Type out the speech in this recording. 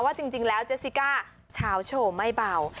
ว่าจริงแล้วเจสสิก้าชาวโฉมไม่เปล่า